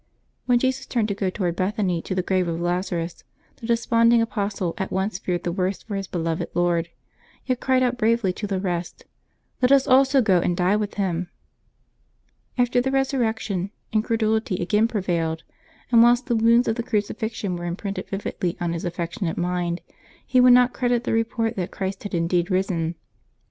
" When Jesus turned to go toward Bethany to the grave of Lazarus, the desponding apostle at once feared the worst for his beloved Lord, yet cried out bravely to the rest: "Let us also go and die with Him." After the Eesurrection, incredulity again prevailed, and whilst the wounds of the crucifixion were imprinted vividly on his affectionate mind, he would not credit the report that Christ had indeed risen.